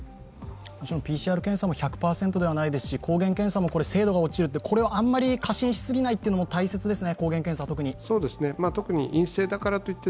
もちろんＰＣＲ検査も１００％ではないですし抗原検査も精度が落ちると、これをあまり過信しすぎないことは大事ですね。